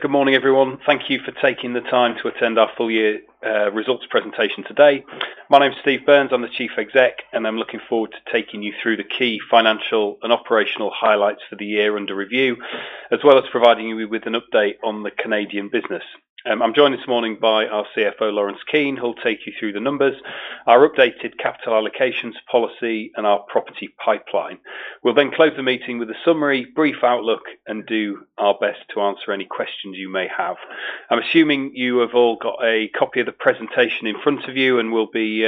Good morning, everyone. Thank you for taking the time to attend our full year results presentation today. My name is Steve Burns. I'm the Chief Exec, and I'm looking forward to taking you through the key financial and operational highlights for the year under review, as well as providing you with an update on the Canadian business. I'm joined this morning by our CFO, Laurence Keen, who'll take you through the numbers, our updated capital allocations policy and our property pipeline. We'll close the meeting with a summary, brief outlook, and do our best to answer any questions you may have. I'm assuming you have all got a copy of the presentation in front of you, and we'll be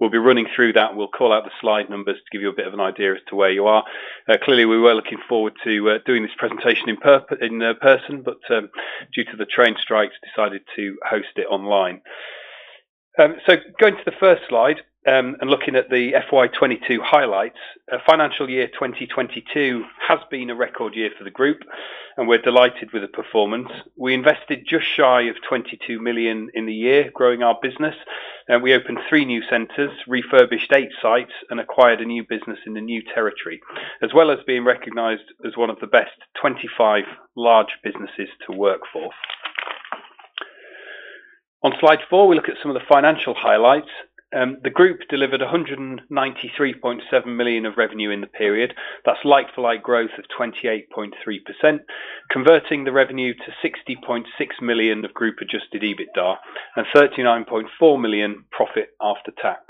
running through that. We'll call out the slide numbers to give you a bit of an idea as to where you are. Clearly, we were looking forward to doing this presentation in person, but due to the train strikes, decided to host it online. Going to the first slide, and looking at the FY 2022 highlights. Financial year 2022 has been a record year for the group, and we're delighted with the performance. We invested just shy of 22 million in the year growing our business, and we opened three new centers, refurbished eight sites, and acquired a new business in the new territory. As well as being recognized as one of the best 25 large businesses to work for. On slide four, we look at some of the financial highlights. The group delivered 193.7 million of revenue in the period. That's like-for-like growth of 28.3%, converting the revenue to 60.6 million of group-Adjusted EBITDA and 39.4 million profit after tax.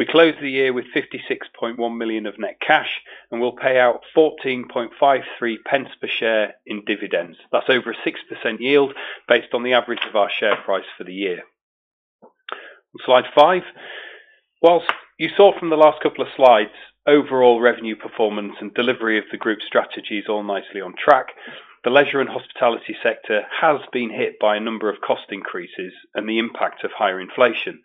We closed the year with 56.1 million of net cash. We'll pay out 0.1453 per share in dividends. That's over a 6% yield based on the average of our share price for the year. On slide five, while you saw from the last couple of slides, overall revenue performance and delivery of the group strategy is all nicely on track. The leisure and hospitality sector has been hit by a number of cost increases and the impact of higher inflation.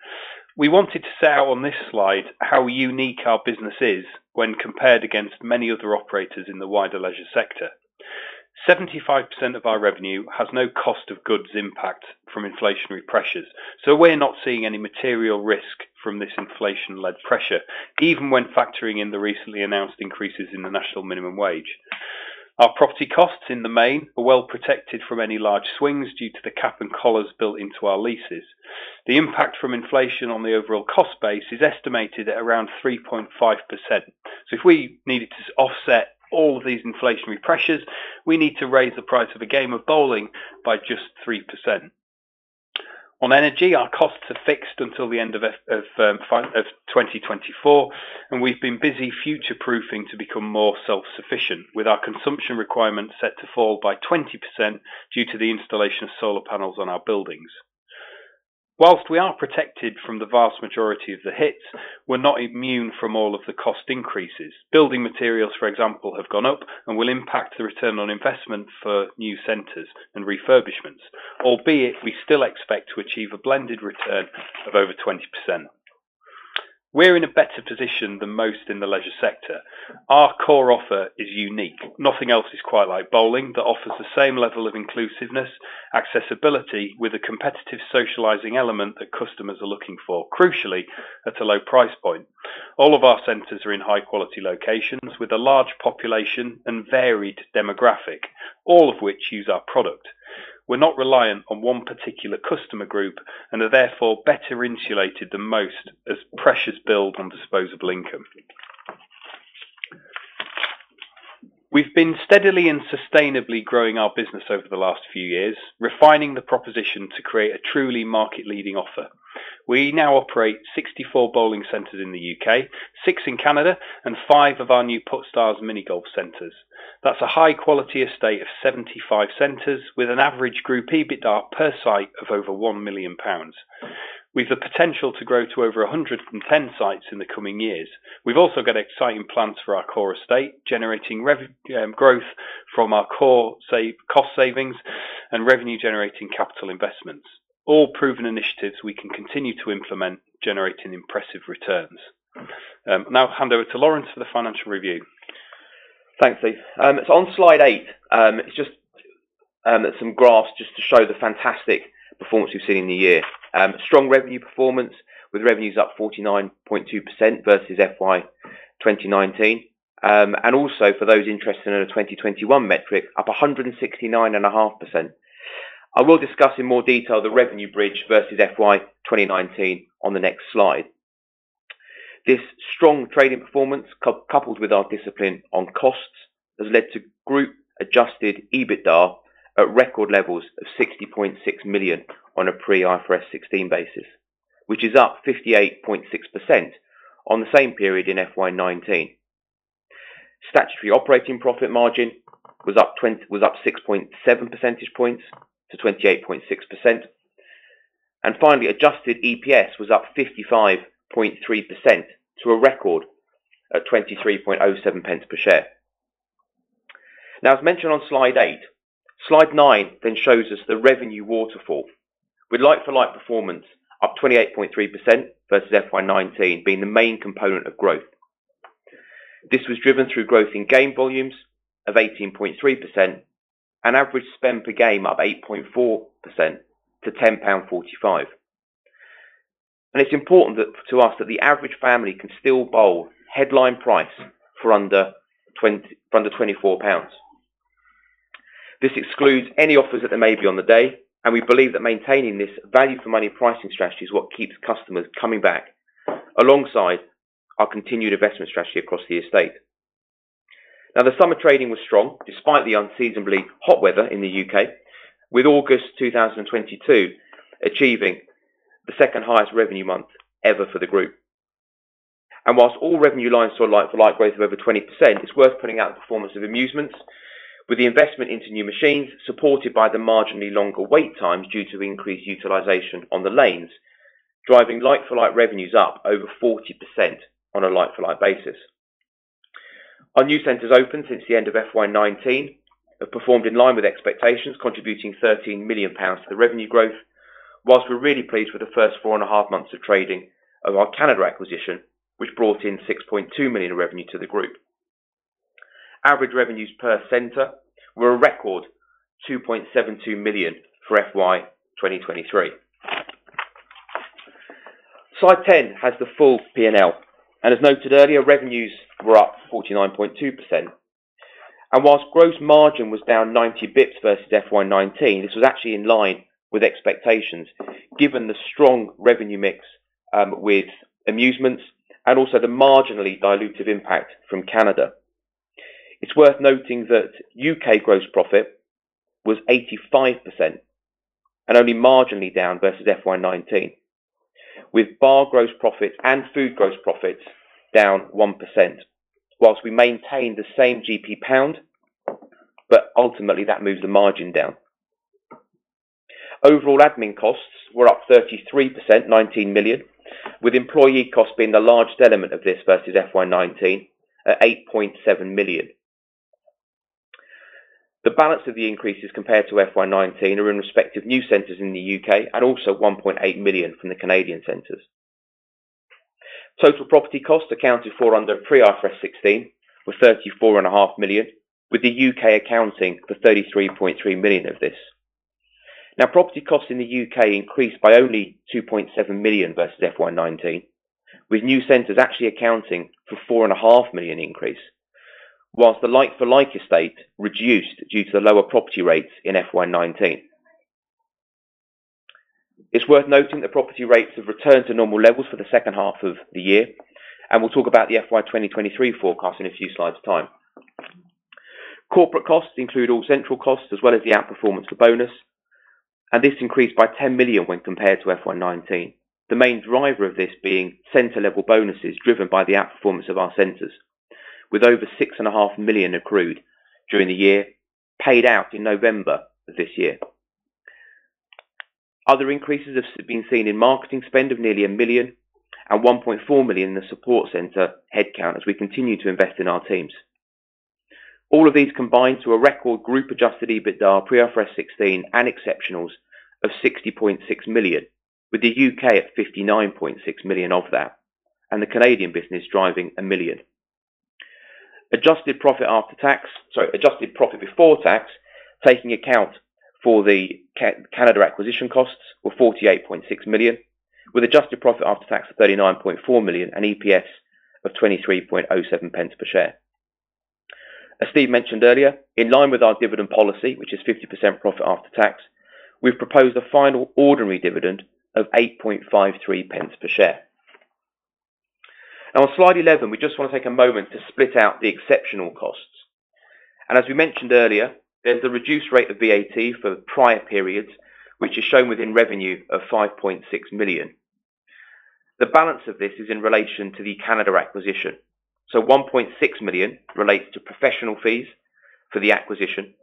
We wanted to set out on this slide how unique our business is when compared against many other operators in the wider leisure sector. 75% of our revenue has no cost of goods impact from inflationary pressures. We're not seeing any material risk from this inflation-led pressure, even when factoring in the recently announced increases in the national minimum wage. Our property costs in the main are well protected from any large swings due to the caps and collars built into our leases. The impact from inflation on the overall cost base is estimated at around 3.5%. If we needed to offset all of these inflationary pressures, we need to raise the price of a game of bowling by just 3%. On energy, our costs are fixed until the end of 2024, and we've been busy future-proofing to become more self-sufficient, with our consumption requirements set to fall by 20% due to the installation of solar panels on our buildings. Whilst we are protected from the vast majority of the hits, we're not immune from all of the cost increases. Building materials, for example, have gone up and will impact the return on investment for new centers and refurbishments. Albeit, we still expect to achieve a blended return of over 20%. We're in a better position than most in the leisure sector. Our core offer is unique. Nothing else is quite like bowling that offers the same level of inclusiveness, accessibility with a competitive socializing element that customers are looking for, crucially, at a low price point. All of our centers are in high-quality locations with a large population and varied demographic, all of which use our product. We're not reliant on one particular customer group and are therefore better insulated than most as pressures build on disposable income. We've been steadily and sustainably growing our business over the last few years, refining the proposition to create a truly market leading offer. We now operate 64 bowling centers in the U.K., six in Canada, and five of our new Puttstars mini golf centers. That's a high-quality estate of 75 centers with an average group EBITDA per site of over 1 million pounds. With the potential to grow to over 110 sites in the coming years. We've also got exciting plans for our core estate, generating growth from our core cost savings and revenue-generating capital investments. All proven initiatives we can continue to implement, generating impressive returns. Now I'll hand over to Laurence for the financial review. Thanks, Steve. It's on slide eight. It's just some graphs just to show the fantastic performance we've seen in the year. Strong revenue performance with revenues up 49.2% versus FY 2019. Also for those interested in a 2021 metric, up 169.5%. I will discuss in more detail the revenue bridge versus FY 2019 on the next slide. This strong trading performance coupled with our discipline on costs, has led to group-Adjusted EBITDA at record levels of 60.6 million on a pre-IFRS 16 basis, which is up 58.6% on the same period in FY 2019. Statutory operating profit margin was up 6.7 percentage points to 28.6%. Finally, Adjusted EPS was up 55.3% to a record at 23.07 pence per share. As mentioned on slide eight, slide nine shows us the revenue waterfall with like-for-like performance up 28.3% versus FY 2019 being the main component of growth. This was driven through growth in game volumes of 18.3% and average spend per game up 8.4% to 10.45 pound. It's important to us that the average family can still bowl headline price for under 24 pounds. This excludes any offers that there may be on the day, and we believe that maintaining this value for money pricing strategy is what keeps customers coming back alongside our continued investment strategy across the estate. The summer trading was strong despite the unseasonably hot weather in the U.K., with August 2022 achieving the second highest revenue month ever for the group. Whilst all revenue lines saw a like-for-like growth of over 20%, it's worth putting out the performance of amusements with the investment into new machines, supported by the marginally longer wait times due to increased utilization on the lanes, driving like-for-like revenues up over 40% on a like-for-like basis. Our new centers opened since the end of FY 2019 have performed in line with expectations, contributing 13 million pounds to the revenue growth. Whilst we're really pleased with the first four and a half months of trading of our Canada acquisition, which brought in 6.2 million in revenue to the group. Average revenues per center were a record 2.72 million for FY 2023. Slide 10 has the full P&L. As noted earlier, revenues were up 49.2%. Whilst gross margin was down 90 basis points versus FY 2019, this was actually in line with expectations, given the strong revenue mix with amusements and also the marginally dilutive impact from Canada. It's worth noting that U.K. gross profit was 85% and only marginally down versus FY 2019, with bar gross profits and food gross profits down 1%. We maintain the same GP pound. Ultimately that moves the margin down. Overall admin costs were up 33%, 19 million, with employee costs being the largest element of this versus FY 2019 at 8.7 million. The balance of the increases compared to FY 2019 are in respect of new centers in the U.K. and also 1.8 million from the Canadian centers. Total property costs accounted for under pre IFRS 16 were 34.5 million, with the U.K. accounting for 33.3 million of this. Property costs in the U.K. increased by only 2.7 million versus FY 2019, with new centers actually accounting for 4.5 million increase, whilst the like-for-like estate reduced due to the lower property rates in FY 2019. It's worth noting that property rates have returned to normal levels for the second half of the year. We'll talk about the FY 2023 forecast in a few slides time. Corporate costs include all central costs as well as the outperformance for bonus. This increased by 10 million when compared to FY 2019. The main driver of this being center-level bonuses driven by the outperformance of our centers with over 6.5 million accrued during the year paid out in November of this year. Other increases have been seen in marketing spend of nearly 1 million and 1.4 million in the support center headcount as we continue to invest in our teams. All of these combine to a record group Adjusted EBITDA pre IFRS 16 and exceptionals of 60.6 million, with the U.K. at 59.6 million of that and the Canadian business driving 1 million. Adjusted profit after tax... Sorry, adjusted profit before tax, taking account for the Canada acquisition costs were 48.6 million, with adjusted profit after tax of 39.4 million and EPS of 23.07 pence per share. As Steve mentioned earlier, in line with our dividend policy, which is 50% profit after tax, we've proposed a final ordinary dividend of 8.53 pence per share. On slide 11, we just want to take a moment to split out the exceptional costs. As we mentioned earlier, there's the reduced rate of VAT for prior periods, which is shown within revenue of 5.6 million. The balance of this is in relation to the Canada acquisition, 1.6 million relates to professional fees for the acquisition,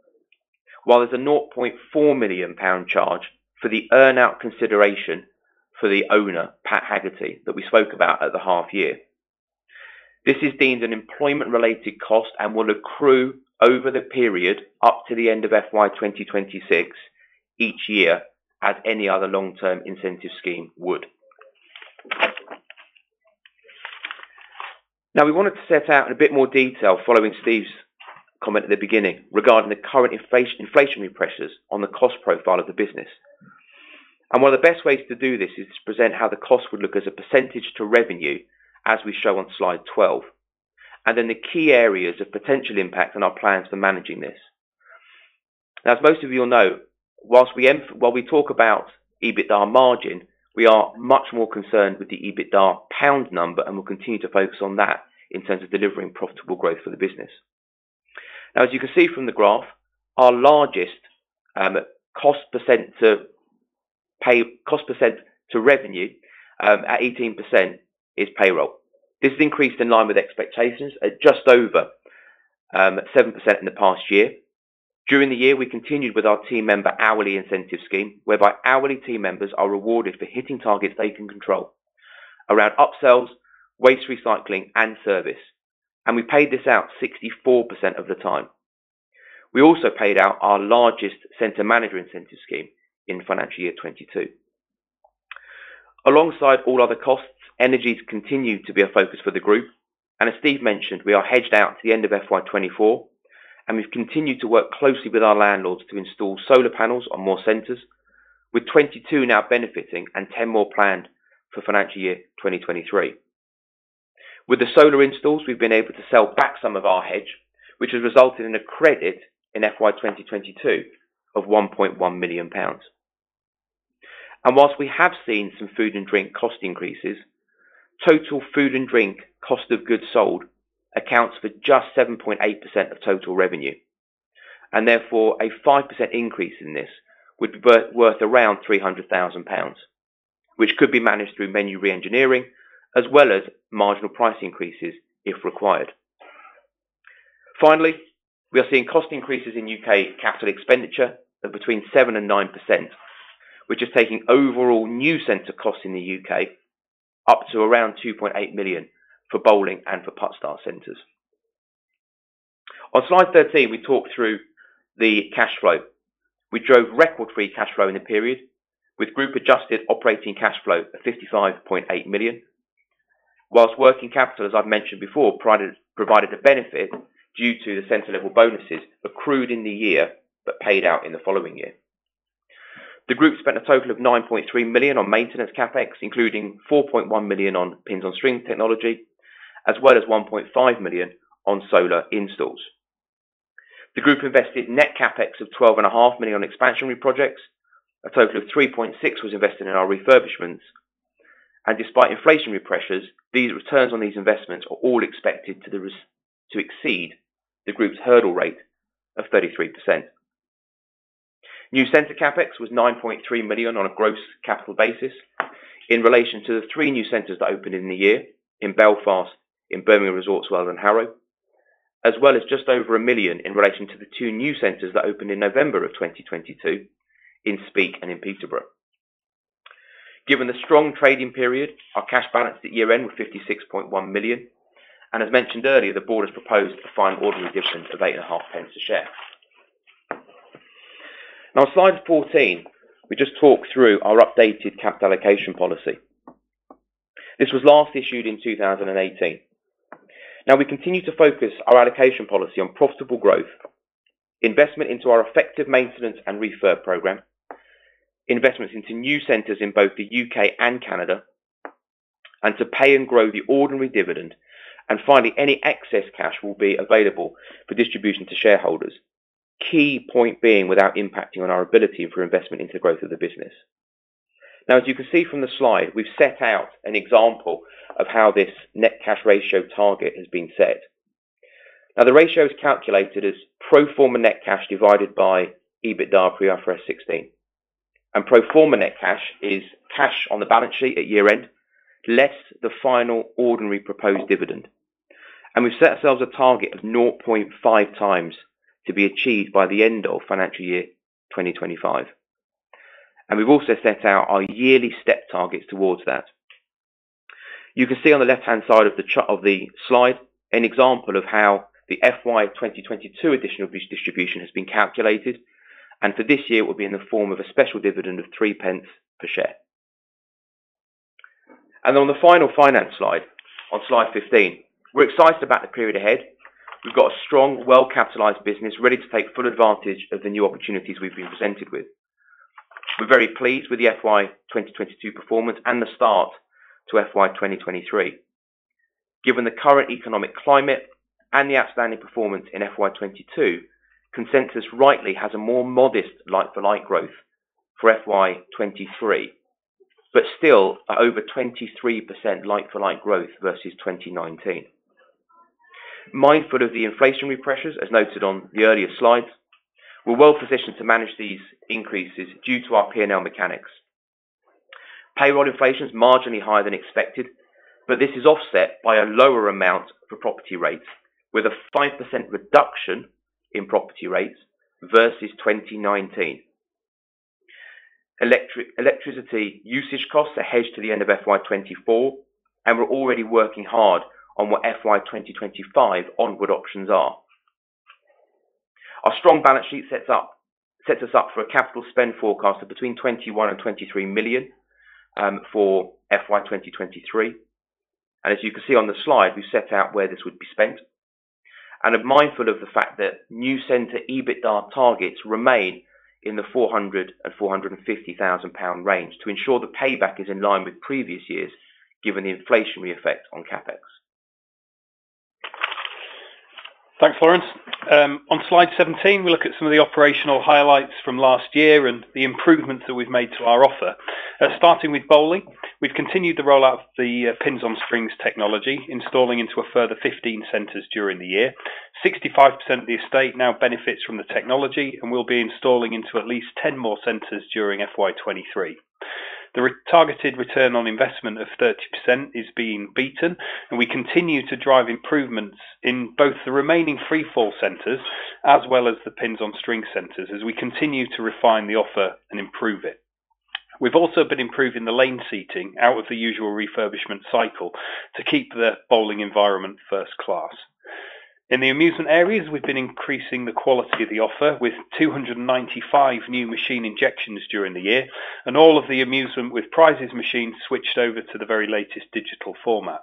while there's a 0.4 million pound charge for the earn out consideration for the owner, Pat Haggerty, that we spoke about at the half year. This is deemed an employment-related cost and will accrue over the period up to the end of FY 2026 each year, as any other long term incentive scheme would. We wanted to set out in a bit more detail following Steve's comment at the beginning regarding the current inflationary pressures on the cost profile of the business. One of the best ways to do this is to present how the cost would look as a percentage to revenue as we show on slide 12, and then the key areas of potential impact and our plans for managing this. Now, as most of you will know, whilst we While we talk about EBITDA margin, we are much more concerned with the EBITDA GBP number, and we'll continue to focus on that in terms of delivering profitable growth for the business. Now, as you can see from the graph, our largest cost percent to revenue at 18% is payroll. This increased in line with expectations at just over 7% in the past year. During the year, we continued with our team member hourly incentive scheme, whereby hourly team members are rewarded for hitting targets they can control around upsells, waste recycling and service. We paid this out 64% of the time. We also paid out our largest center manager incentive scheme in financial year 2022. Alongside all other costs, energy has continued to be a focus for the group and as Steve mentioned, we are hedged out to the end of FY 2024. We've continued to work closely with our landlords to install solar panels on more centers, with 22 now benefiting and 10 more planned for financial year 2023. With the solar installs, we've been able to sell back some of our hedge, which has resulted in a credit in FY 2022 of 1.1 million pounds. Whilst we have seen some food and drink cost increases, total food and drink cost of goods sold accounts for just 7.8% of total revenue, therefore a 5% increase in this would be worth around 300,000 pounds, which could be managed through menu reengineering as well as marginal price increases if required. Finally, we are seeing cost increases in U.K. CapEx of between 7% and 9%, which is taking overall new center costs in the U.K. up to around 2.8 million for bowling and for Puttstars centers. On slide 13, we talk through the cash flow. We drove record free cash flow in the period, with group adjusted operating cash flow of 55.8 million. Whilst working capital, as I've mentioned before, provided a benefit due to the center level bonuses accrued in the year but paid out in the following year. The group spent a total of 9.3 million on maintenance CapEx, including 4.1 million on Pins on Strings technology, as well as 1.5 million on solar installs. The group invested net CapEx of 12.5 million on expansionary projects. A total of 3.6 million was invested in our refurbishments. Despite inflationary pressures, these returns on these investments are all expected to exceed the group's hurdle rate of 33%. New center CapEx was 9.3 million on a gross capital basis in relation to the three new centers that opened in the year in Belfast, in Birmingham Resorts World and Harrow, as well as just over 1 million in relation to the two new centers that opened in November 2022 in Speke and in Peterborough. Given the strong trading period, our cash balance at year-end was 56.1 million, and as mentioned earlier, the board has proposed a final ordinary addition of 8.5 pence a share. Slide 14, we just talk through our updated capital allocation policy. This was last issued in 2018. We continue to focus our allocation policy on profitable growth, investment into our effective maintenance and refurb program, investments into new centers in both the U.K. and Canada, and to pay and grow the ordinary dividend. Finally, any excess cash will be available for distribution to shareholders. Key point being without impacting on our ability for investment into growth of the business. As you can see from the slide, we've set out an example of how this net cash ratio target has been set. The ratio is calculated as pro forma net cash divided by EBITDA pre-IFRS 16. Pro forma net cash is cash on the balance sheet at year-end, less the final ordinary proposed dividend. We've set ourselves a target of 0.5x to be achieved by the end of financial year 2025. We've also set out our yearly step targets towards that. You can see on the left-hand side of the slide an example of how the FY 2022 additional distribution has been calculated, and for this year, it will be in the form of a special dividend of 3 pence per share. On the final finance slide, on slide 15, we're excited about the period ahead. We've got a strong, well-capitalized business ready to take full advantage of the new opportunities we've been presented with. We're very pleased with the FY 2022 performance and the start to FY 2023. Given the current economic climate and the outstanding performance in FY 2022, consensus rightly has a more modest like-for-like growth for FY 2023, but still over 23% like-for-like growth versus 2019. Mindful of the inflationary pressures, as noted on the earlier slides, we're well positioned to manage these increases due to our P&L mechanics. Payroll inflation is marginally higher than expected, this is offset by a lower amount for property rates, with a 5% reduction in property rates versus 2019. Electricity usage costs are hedged to the end of FY 2024, we're already working hard on what FY 2025 onward options are. Our strong balance sheet sets us up for a capital spend forecast of between 21 million and 23 million for FY 2023. As you can see on the slide, we set out where this would be spent. Are mindful of the fact that new center EBITDA targets remain in the 400,000-450,000 pound range to ensure the payback is in line with previous years, given the inflationary effect on CapEx. Thanks, Laurence. On slide 17, we look at some of the operational highlights from last year and the improvements that we've made to our offer. Starting with bowling, we've continued to roll out the Pins on Strings technology, installing into a further 15 centers during the year. 65% of the estate now benefits from the technology, and we'll be installing into at least 10 more centers during FY 2023. The targeted ROI of 30% is being beaten, and we continue to drive improvements in both the remaining free fall centers as well as the Pins on Strings centers as we continue to refine the offer and improve it. We've also been improving the lane seating out of the usual refurbishment cycle to keep the bowling environment first class. In the amusement areas, we've been increasing the quality of the offer with 295 new machine injections during the year. All of the amusement with prizes machines switched over to the very latest digital format.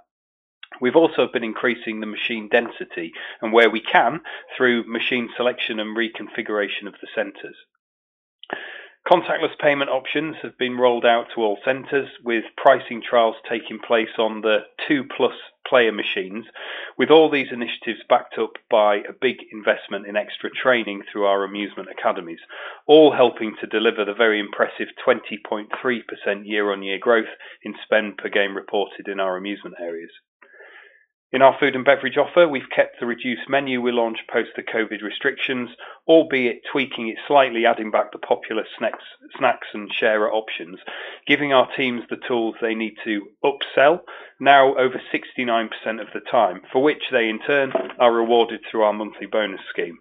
We've also been increasing the machine density and where we can through machine selection and reconfiguration of the centers. Contactless payment options have been rolled out to all centers with pricing trials taking place on the two-plus player machines. All these initiatives backed up by a big investment in extra training through our amusement academies, all helping to deliver the very impressive 20.3% year-over-year growth in spend per game reported in our amusement areas. In our food and beverage offer, we've kept the reduced menu we launched post the COVID restrictions, albeit tweaking it slightly, adding back the popular snacks and sharer options, giving our teams the tools they need to upsell now over 69% of the time, for which they in turn are rewarded through our monthly bonus scheme.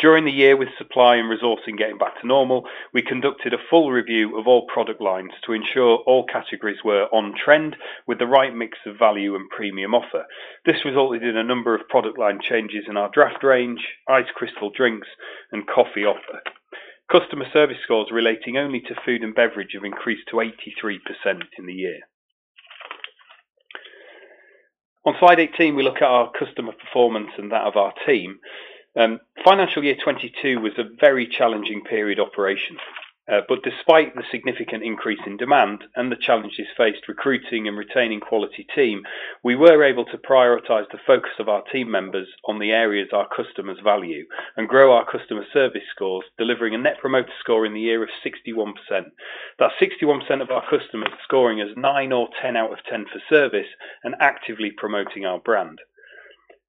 During the year with supply and resourcing getting back to normal, we conducted a full review of all product lines to ensure all categories were on trend with the right mix of value and premium offer. This resulted in a number of product line changes in our draft range, Tango Ice Blast and coffee offer. Customer service scores relating only to food and beverage have increased to 83% in the year. On slide 18, we look at our customer performance and that of our team. Financial year 2022 was a very challenging period operation. Despite the significant increase in demand and the challenges faced recruiting and retaining quality team, we were able to prioritize the focus of our team members on the areas our customers value and grow our customer service scores, delivering a Net Promoter Score in the year of 61%. That's 61% of our customers scoring us nine or 10 out of 10 for service and actively promoting our brand.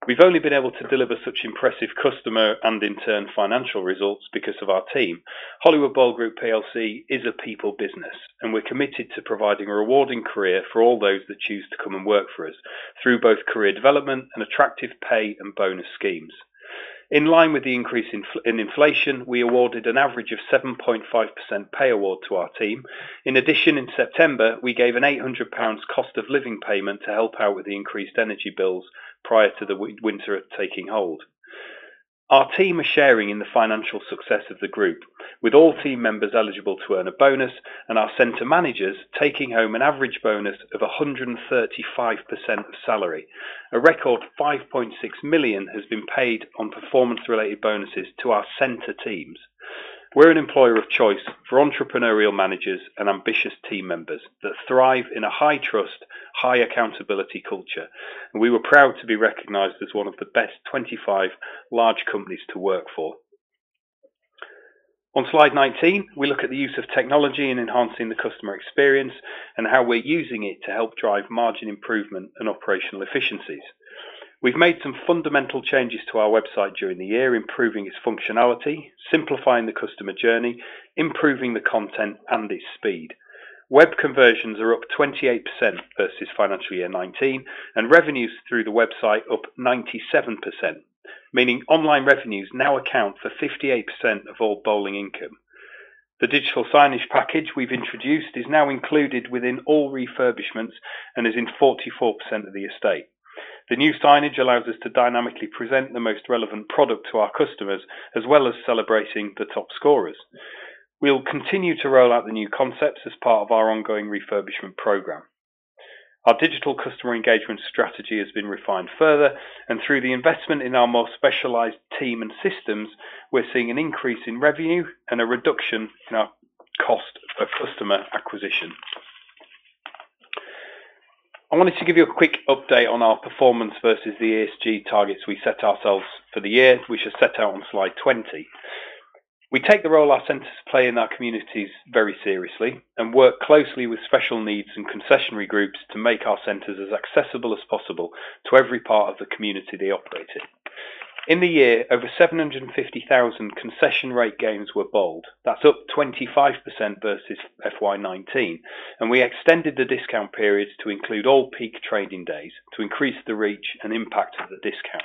We've only been able to deliver such impressive customer and in turn financial results because of our team. Hollywood Bowl Group plc is a people business, and we're committed to providing a rewarding career for all those that choose to come and work for us through both career development and attractive pay and bonus schemes. In line with the increase in inflation, we awarded an average of 7.5% pay award to our team. In addition, in September, we gave a 800 pounds cost of living payment to help out with the increased energy bills prior to the winter taking hold. Our team are sharing in the financial success of the group, with all team members eligible to earn a bonus and our center managers taking home an average bonus of 135% of salary. A record 5.6 million has been paid on performance-related bonuses to our center teams. We're an employer of choice for entrepreneurial managers and ambitious team members that thrive in a high trust, high accountability culture, and we were proud to be recognized as one of the best 25 large companies to work for. On slide 19, we look at the use of technology in enhancing the customer experience and how we're using it to help drive margin improvement and operational efficiencies. We've made some fundamental changes to our website during the year, improving its functionality, simplifying the customer journey, improving the content and its speed. Web conversions are up 28% versus financial year 2019, and revenues through the website up 97%, meaning online revenues now account for 58% of all bowling income. The digital signage package we've introduced is now included within all refurbishments and is in 44% of the estate. The new signage allows us to dynamically present the most relevant product to our customers, as well as celebrating the top scorers. We'll continue to roll out the new concepts as part of our ongoing refurbishment program. Our digital customer engagement strategy has been refined further and through the investment in our more specialized team and systems, we're seeing an increase in revenue and a reduction in our cost of customer acquisition. I wanted to give you a quick update on our performance versus the ESG targets we set ourselves for the year, which are set out on slide 20. We take the role our centers play in our communities very seriously and work closely with special needs and concessionary groups to make our centers as accessible as possible to every part of the community they operate in. In the year, over 750,000 concession rate games were bowled. That's up 25% versus FY 2019, and we extended the discount period to include all peak trading days to increase the reach and impact of the discount.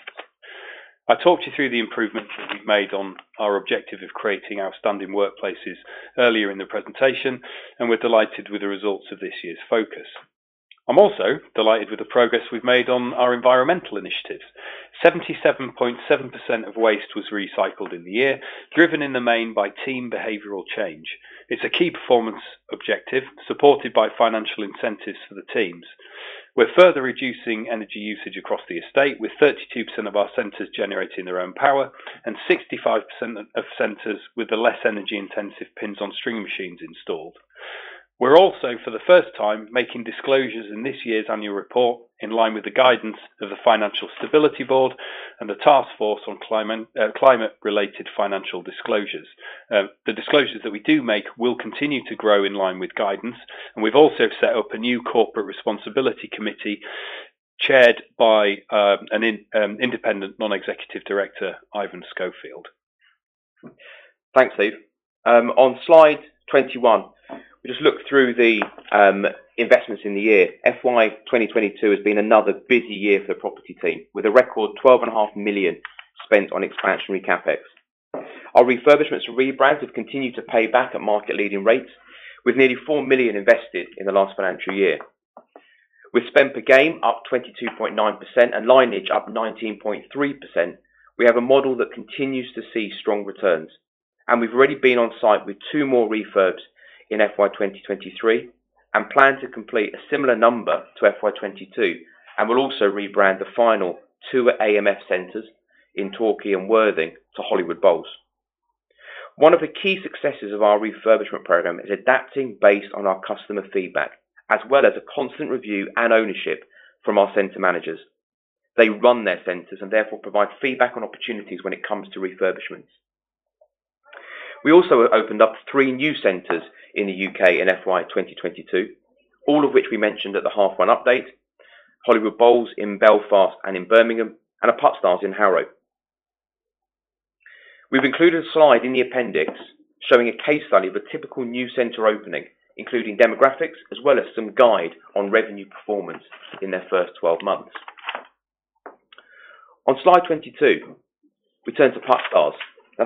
I talked you through the improvements that we've made on our objective of creating outstanding workplaces earlier in the presentation. We're delighted with the results of this year's focus. I'm also delighted with the progress we've made on our environmental initiatives. 77.7% of waste was recycled in the year, driven in the main by team behavioral change. It's a key performance objective supported by financial incentives for the teams. We're further reducing energy usage across the estate, with 32% of our centers generating their own power and 65% of centers with the less energy-intensive Pins on Strings machines installed. We're also, for the first time, making disclosures in this year's annual report in line with the guidance of the Financial Stability Board and the Task Force on Climate-related Financial Disclosures. The disclosures that we do make will continue to grow in line with guidance. We've also set up a new corporate responsibility committee chaired by an Independent Non-Executive Director, Ivan Schofield. Thanks, Steve. On slide 21, we just look through the investments in the year. FY 2022 has been another busy year for the property team, with a record 12.5 million spent on expansionary CapEx. Our refurbishments and rebrands have continued to pay back at market-leading rates, with nearly 4 million invested in the last financial year. With spend per game up 22.9% and lineage up 19.3%, we have a model that continues to see strong returns. We've already been on site with two more refurbs in FY 2023 and plan to complete a similar number to FY 2022 and will also rebrand the final two AMF centers in Torquay and Worthing to Hollywood Bowl. One of the key successes of our refurbishment program is adapting based on our customer feedback, as well as a constant review and ownership from our center managers. They run their centers and therefore provide feedback on opportunities when it comes to refurbishments. We also opened up three new centers in the U.K. in FY 2022, all of which we mentioned at the half one update, Hollywood Bowl in Belfast and in Birmingham, and a Puttstars in Harrow. We've included a slide in the appendix showing a case study of a typical new center opening, including demographics as well as some guide on revenue performance in their first 12 months. On slide 22, we turn to Puttstars.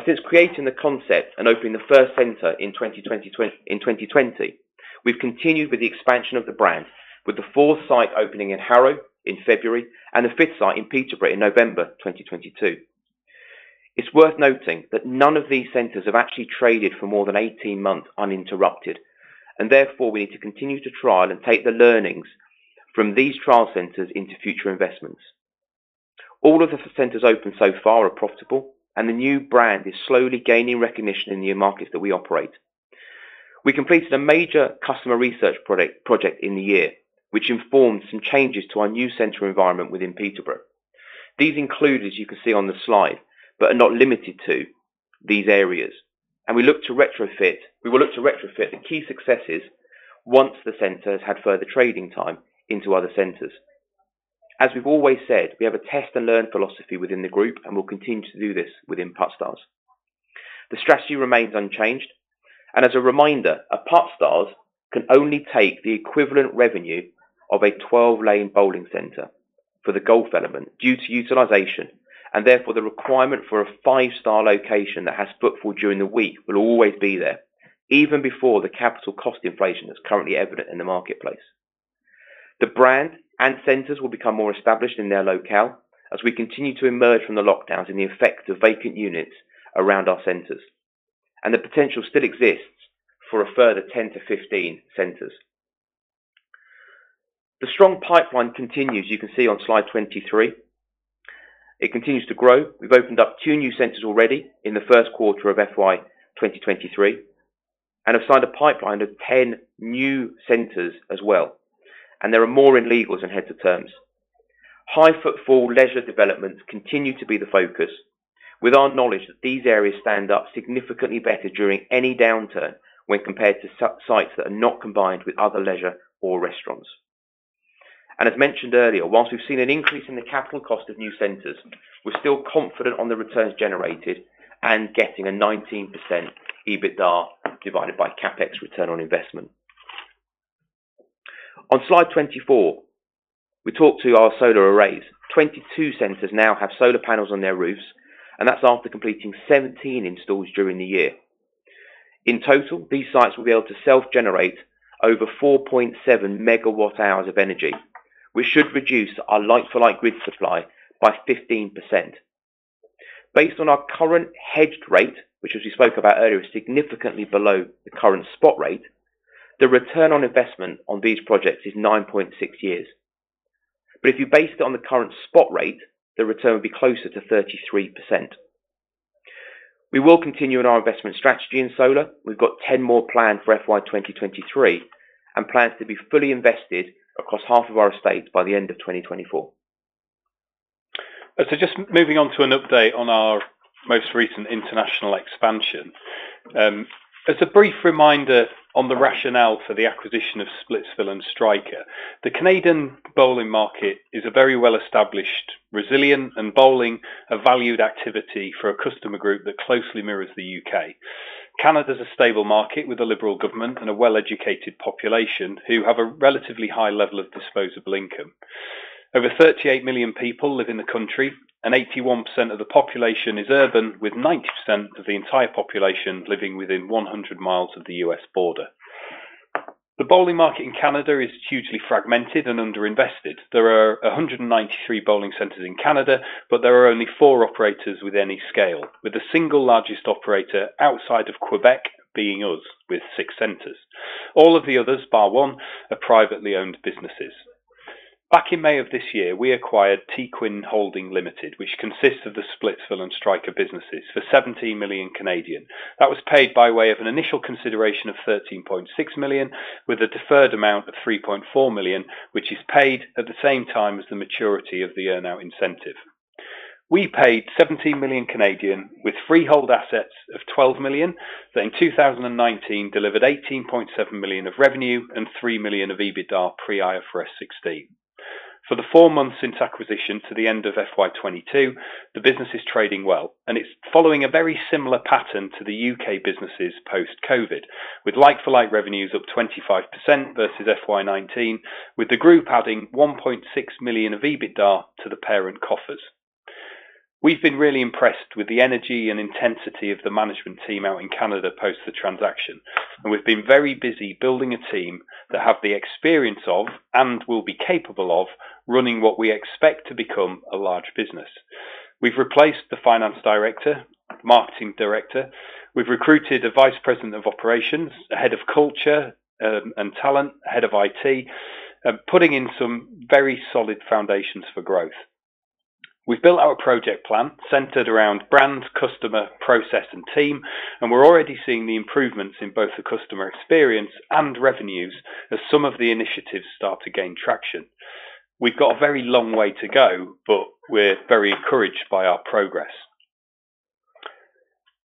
Since creating the concept and opening the first center in 2020, we've continued with the expansion of the brand with the fourth site opening in Harrow in February and the fifth site in Peterborough in November 2022. It's worth noting that none of these centers have actually traded for more than 18 months uninterrupted, therefore, we need to continue to trial and take the learnings from these trial centers into future investments. All of the centers open so far are profitable, the new brand is slowly gaining recognition in the markets that we operate. We completed a major customer research project in the year, which informed some changes to our new center environment within Peterborough. These include, as you can see on the slide, are not limited to these areas. We will look to retrofit the key successes once the center has had further trading time into other centers. As we've always said, we have a test and learn philosophy within the group, and we'll continue to do this within Puttstars. The strategy remains unchanged, and as a reminder, a Puttstars can only take the equivalent revenue of a 12-lane bowling center for the golf element due to utilization, and therefore the requirement for a five-star location that has footfall during the week will always be there, even before the capital cost inflation that's currently evident in the marketplace. The brand and centers will become more established in their locale as we continue to emerge from the lockdowns and the effect of vacant units around our centers. The potential still exists for a further 10 centers-15 centers. The strong pipeline continues, you can see on slide 23. It continues to grow. We've opened up two new centers already in the first quarter of FY 2023 and have signed a pipeline of 10 new centers as well. There are more in legals and heads of terms. High footfall leisure developments continue to be the focus with our knowledge that these areas stand up significantly better during any downturn when compared to sites that are not combined with other leisure or restaurants. As mentioned earlier, whilst we've seen an increase in the capital cost of new centers, we're still confident on the returns generated and getting a 19% EBITDA divided by CapEx return on investment. On slide 24, we talk to our solar arrays. 22 centers now have solar panels on their roofs, and that's after completing 17 installs during the year. In total, these sites will be able to self-generate over 4.7 megawatt hours of energy, which should reduce our like-for-like grid supply by 15%. Based on our current hedged rate, which as we spoke about earlier, is significantly below the current spot rate, the return on investment on these projects is 9.6 years. If you based it on the current spot rate, the return would be closer to 33%. We will continue on our investment strategy in solar. We've got 10 more planned for FY 2023 and plans to be fully invested across half of our estate by the end of 2024. Just moving on to an update on our most recent international expansion. As a brief reminder on the rationale for the acquisition of Splitsville and Striker, the Canadian bowling market is a very well-established, resilient, and bowling, a valued activity for a customer group that closely mirrors the U.K. Canada is a stable market with a liberal government and a well-educated population who have a relatively high level of disposable income. Over 38 million people live in the country, and 81% of the population is urban, with 90% of the entire population living within 100 mi of the U.S. border. The bowling market in Canada is hugely fragmented and underinvested. There are 193 bowling centers in Canada, but there are only four operators with any scale, with the single largest operator outside of Quebec being us with six centers. All of the others, bar one, are privately owned businesses. Back in May of this year, we acquired Teaquinn Holding Limited, which consists of the Splitsville and Striker businesses, for 17 million. That was paid by way of an initial consideration of 13.6 million, with a deferred amount of 3.4 million, which is paid at the same time as the maturity of the earn-out incentive. We paid 17 million with freehold assets of 12 million that in 2019 delivered 18.7 million of revenue and 3 million of EBITDA pre-IFRS 16. For the four months since acquisition to the end of FY 2022, the business is trading well, and it's following a very similar pattern to the U.K. businesses post-COVID, with like-for-like revenues up 25% versus FY 2019, with the group adding 1.6 million of EBITDA to the parent coffers. We've been really impressed with the energy and intensity of the management team out in Canada post the transaction, we've been very busy building a team that have the experience of and will be capable of running what we expect to become a large business. We've replaced the finance director, marketing director. We've recruited a vice president of operations, a head of culture and talent, head of IT, and putting in some very solid foundations for growth. We've built our project plan centered around brand, customer, process, and team, and we're already seeing the improvements in both the customer experience and revenues as some of the initiatives start to gain traction. We've got a very long way to go, but we're very encouraged by our progress.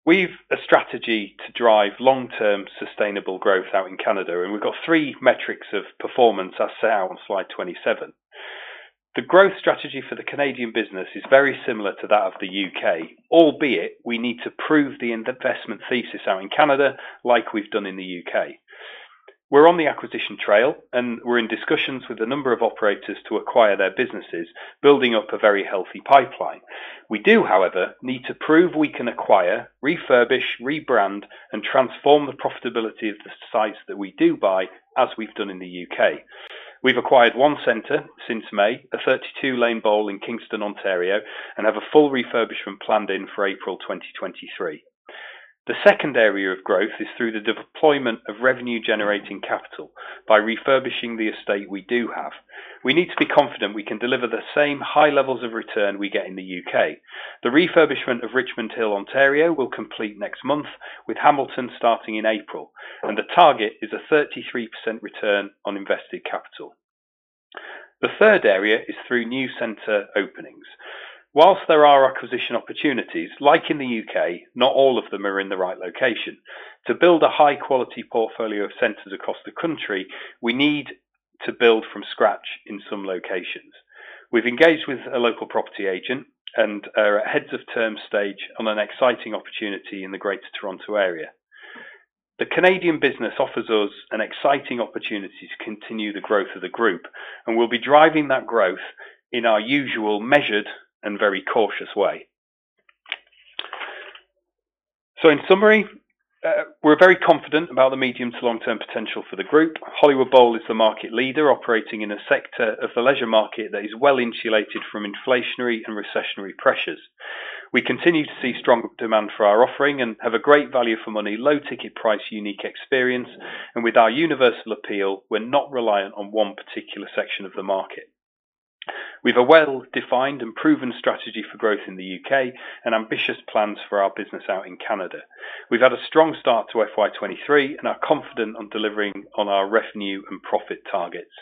We've a strategy to drive long-term sustainable growth out in Canada, and we've got three metrics of performance are set out on slide 27. The growth strategy for the Canadian business is very similar to that of the U.K., albeit we need to prove the investment thesis out in Canada like we've done in the U.K. We're on the acquisition trail, and we're in discussions with a number of operators to acquire their businesses, building up a very healthy pipeline. We do, however, need to prove we can acquire, refurbish, rebrand, and transform the profitability of the sites that we do buy as we've done in the U.K. We've acquired one center since May, a 32-lane bowl in Kingston, Ontario, and have a full refurbishment planned in for April 2023. The second area of growth is through the deployment of revenue-generating capital by refurbishing the estate we do have. We need to be confident we can deliver the same high levels of return we get in the U.K. The refurbishment of Richmond Hill, Ontario, will complete next month, with Hamilton starting in April, the target is a 33% return on invested capital. The third area is through new center openings. While there are acquisition opportunities, like in the U.K., not all of them are in the right location. To build a high quality portfolio of centers across the country, we need to build from scratch in some locations. We've engaged with a local property agent and are at heads of terms stage on an exciting opportunity in the Greater Toronto Area. The Canadian business offers us an exciting opportunity to continue the growth of the group, and we'll be driving that growth in our usual measured and very cautious way. In summary, we're very confident about the medium to long-term potential for the group. Hollywood Bowl is the market leader operating in a sector of the leisure market that is well-insulated from inflationary and recessionary pressures. We continue to see strong demand for our offering and have a great value for money, low ticket price, unique experience. And with our universal appeal, we're not reliant on one particular section of the market We've a well-defined and proven strategy for growth in the UK and ambitious plans for our business out in Canada. We've had a strong start to FY 2023 and are confident on delivering on our revenue and profit targets.